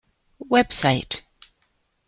Website